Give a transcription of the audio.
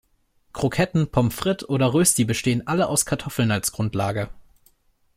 Kroketten, Pommes frites oder Rösti bestehen alle aus Kartoffeln als Grundlage.